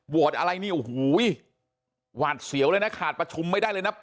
อะไรนี่โอ้โหหวาดเสียวเลยนะขาดประชุมไม่ได้เลยนะ